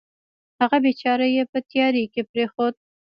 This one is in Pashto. هغه بېچاره یې په تیارې کې پرېښود.